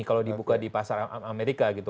kalau dibuka di pasar amerika gitu